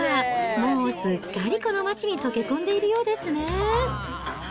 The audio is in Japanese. もうすっかりこの町に溶け込んでいるようですね。